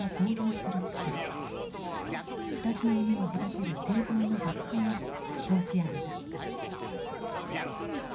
２つの海を隔てる堤防の爆破が総仕上げだった。